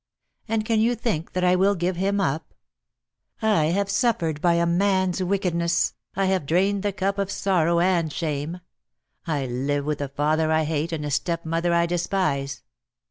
And can you think that I will give him up? I have suffered by a man's wicked ness, I have drained the cup of sorrow and shame. I live with a father I hate, and a stepmother I despise.